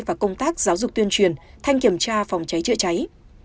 và công tác giáo dục tuyên truyền thanh kiểm tra phòng cháy chữa cháy